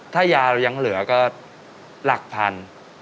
ถ้ายาเรายังเหลือก็หลักพัน